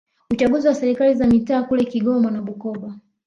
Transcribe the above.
uchaguzi wa serikali za mitaa kule Kigoma na Bukoba